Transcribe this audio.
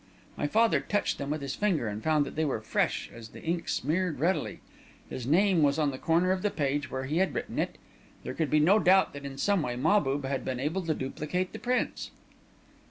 My father touched them with his finger and found that they were fresh, as the ink smeared readily. His name was on the corner of the page, where he had written it. There could be no doubt that in some way Mahbub had been able to duplicate the prints.